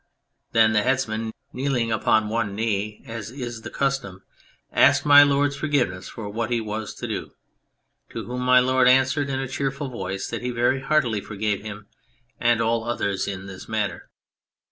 Then the Headsman, kneeling upon one knee, as is the custom, asked My Lord's forgiveness for what he was to do, to whom My Lord answered in a cheerful voice that he very heartily forgave him and all others in this matter.